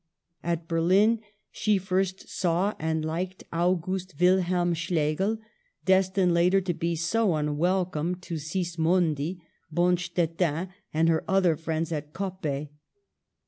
At Berlin she first saw and liked August Wil helm Schlegel, destined later to be so unwelcome to Sismondi, Bonstetten, and her other friends at Coppet.